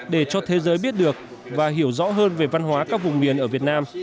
để cho thế giới biết được và hiểu rõ hơn về văn hóa các vùng miền ở việt nam